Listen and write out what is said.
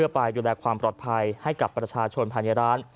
ไปดูแลความปลอดภัยให้กับประชาชนภายในร้าน